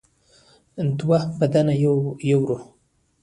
دوه بدن یو روح.